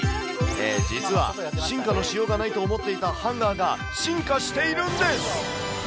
実は進化のしようがないと思っていたハンガーが、進化しているんです。